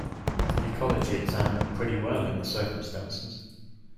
The ecology exam went pretty well in the circumstances.